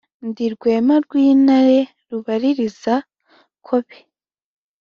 Ndi Rwema rw’ intare Rubaririzakobe